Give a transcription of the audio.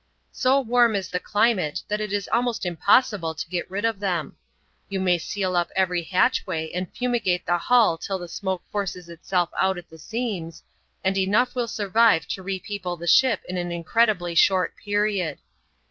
So warm is the climate that it is almost impossible to get rid of them. You may seal up every hatchway, and fumigate the hull till the smoke forces itself out at the seams, and enough will survive to repeople the ship in an incredibly short period.